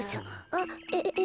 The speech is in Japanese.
あっえええ。